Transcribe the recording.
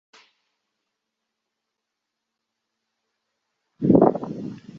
圣昂德雷德罗科龙格人口变化图示